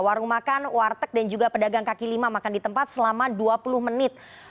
warung makan warteg dan juga pedagang kaki lima makan di tempat selama dua puluh menit